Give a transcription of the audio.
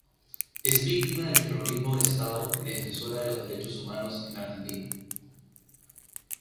Es víctima del Terrorismo de Estado y defensora de los Derechos Humanos en Argentina.